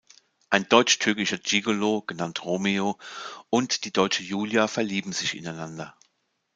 Ein deutschtürkischer Gigolo, genannt Romeo, und die deutsche Julia verlieben sich ineinander.